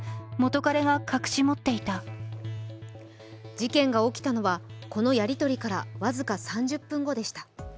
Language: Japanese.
事件が起きたのは、このやり取りから僅か３０分後でした。